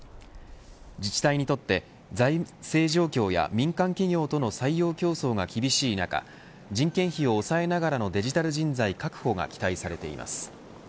自治体にとって財政状況や民間企業との採用競争が厳しい中人件費を抑えながらのデジタル人材確保が期待されています。